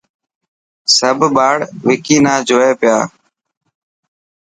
سڀ ٻاڙ وڪي نا جوئي پيا.